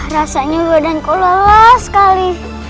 rasanya badan ku lelah sekali